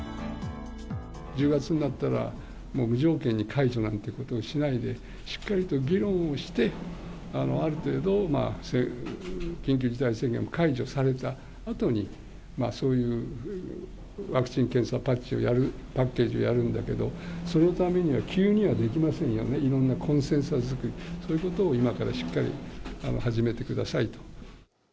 １０月になったら、もう無条件に解除なんてことをしないで、しっかりと議論をして、ある程度、緊急事態宣言を解除されたあとに、そういうワクチン検査をやる、パッケージをやるんだけど、そのためには急にはできませんよね、いろんなコンセンサス作り、そういうことを今からしっかり始めてください。